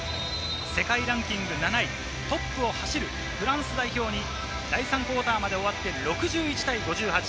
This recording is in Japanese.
世界ランキング７位、トップを走るフランス代表に第３クオーターまで終わって６１対５８。